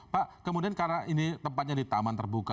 pak kemudian karena ini tempatnya di taman terbuka